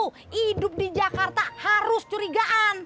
oh hidup di jakarta harus curigaan